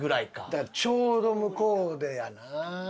だからちょうど向こうでやな。